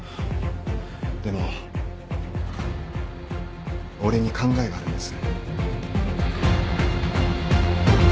でも俺に考えがあるんです。